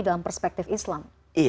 dalam perspektif islam